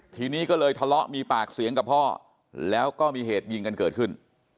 ทีนี้ก็เลยทะเลาะมีปากเสียงกับพ่อแล้วก็มีเหตุยิงกันเกิดขึ้น